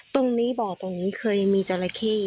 ตรงนี้บ่อตรงนี้เคยมีจริงอีกไหม